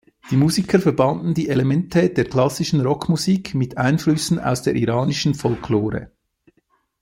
Die Musiker verbanden die Elemente der klassischen Rockmusik mit Einflüssen aus der iranischen Folklore.